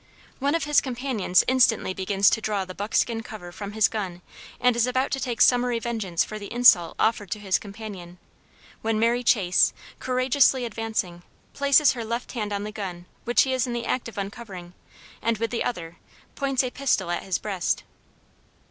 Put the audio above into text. One of his companions instantly begins to draw the buckskin cover from his gun and is about to take summary vengeance for the insult offered to his companion, when Mary Chase, courageously advancing, places her left hand on the gun which he is in the act of uncovering and with the other points a pistol at his breast.